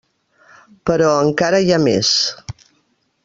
Però encara hi ha més.